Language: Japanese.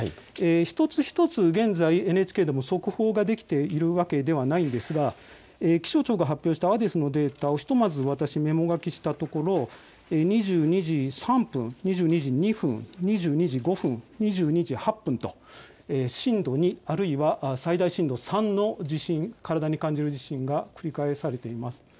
一つ一つ現在ＮＨＫでも速報ができているわけではないんですが気象庁が発表したデータですねひとまず私メモ書きしたところ２２時３分、２２時２分２２時５分、２２時８分と震度２、あるいは最大震度３の地震、体に感じる地震が繰り返されています。